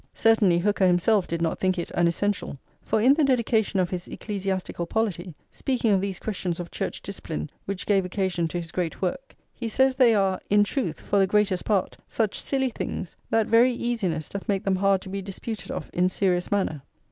Certainly, Hooker himself did not think it an essential; for in the dedication of his Ecclesiastical Polity, speaking of these questions of Church discipline which gave occasion to his great work, he says they are "in truth, for the greatest part, such silly things, that very easiness doth make them hard to be disputed of in serious manner."